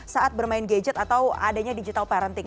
saat bermain gadget atau adanya digital parentic